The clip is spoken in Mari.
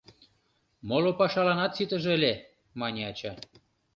— Моло пашаланат ситыже ыле, — мане ача.